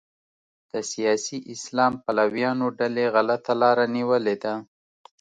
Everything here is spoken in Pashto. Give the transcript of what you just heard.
د سیاسي اسلام پلویانو ډلې غلطه لاره نیولې ده.